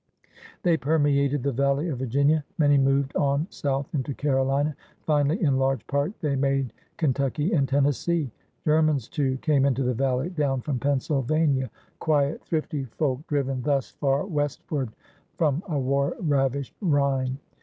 They permeated the Valley of Virginia; many moved on south into Carolina; finally, in large part, they made Kentucky and Tennessee. Germans, too, came into the valley — down from Pennsylvania — quiet, thrifty folk, driven thus far westward from a war ravished Rhine.